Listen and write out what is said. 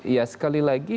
ya sekali lagi